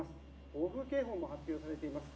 暴風警報も発表されています。